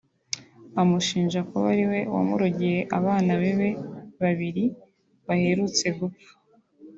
amushinja kuba ariwe wamurogeye abana be babiri baherutse gupfa